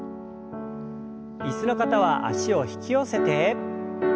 椅子の方は脚を引き寄せて。